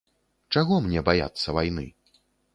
Чаго мне баяцца вайны?